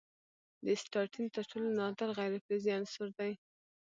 د اسټاټین تر ټولو نادر غیر فلزي عنصر دی.